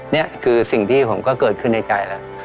นี่คือสิ่งที่ผมก็เกิดขึ้นในใจแล้ว